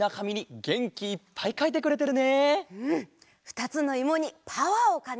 ふたつのいもにパワーをかんじるね。